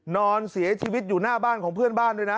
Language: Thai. นอนเสียชีวิตอยู่หน้าบ้านของเพื่อนบ้านด้วยนะ